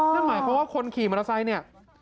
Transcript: นั่นหมายความว่าคนขี่มอเตอร์ไซค์เนี่ย